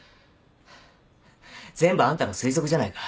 全部あんたの推測じゃないか。